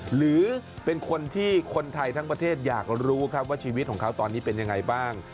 หรือเป็นคนที่คนไทยทั้งประเทศอยากรู้ครับว่าชีวิตของเขาตอนนี้เป็นยังไงบ้าง